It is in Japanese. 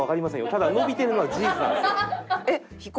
ただ伸びてるのは事実なんですよ。